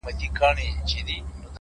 ما وېل سفر کومه ځمه او بیا نه راځمه _